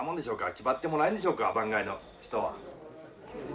気張ってもらえんでしょうか番外の人は。